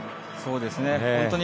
そうですね。